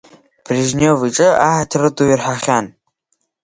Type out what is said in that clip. Брежнев иҿы аҳаҭыр ду ирҳахьан.